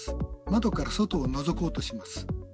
窓から外をのぞこうとします。